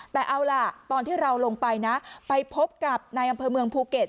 แต่เอาล่ะตอนที่เราลงไปนะไปพบกับนายอำเภอเมืองภูเก็ต